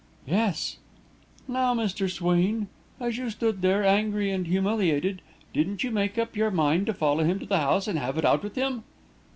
"Yes." "Now, Mr. Swain, as you stood there, angry and humiliated, didn't you make up your mind to follow him to the house and have it out with him?"